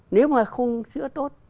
nếu mà không sửa tốt